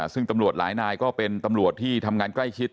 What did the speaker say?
ซึ่งตำรวจหลายนายก็เป็นตำรวจที่ทำงานใกล้ชิด